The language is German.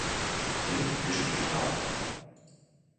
Lig gespielt haben.